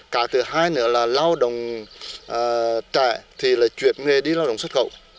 cả thứ hai nữa là lao động trại thì là chuyển nghề đi lao động xuất khẩu